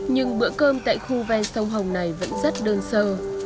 nhưng bữa cơm tại khu ven sông hồng này vẫn rất đơn sơ